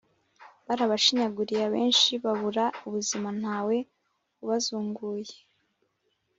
Barabashinyaguriye Abenshi babura ubuzima Ntawe ubazunguye !